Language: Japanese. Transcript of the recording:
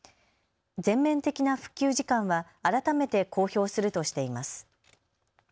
全面的な復旧時間は改めて公表するとしています。